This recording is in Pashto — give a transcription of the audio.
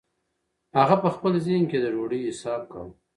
هغه په خپل ذهن کې د ډوډۍ حساب کاوه.